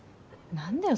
何だよ